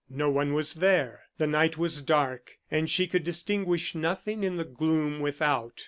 No one was there! The night was dark, and she could distinguish nothing in the gloom without.